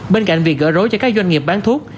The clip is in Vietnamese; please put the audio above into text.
bên cạnh việc gỡ rối cho các doanh nghiệp bán thuốc